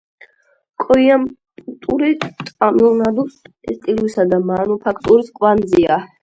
კოიამპუტური ტამილნადუს ტექსტილისა და მანუფაქტურის კვანძია.